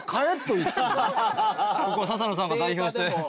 ここは笹野さんが代表して。